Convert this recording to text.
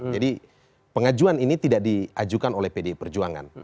jadi pengajuan ini tidak diajukan oleh pdi perjuangan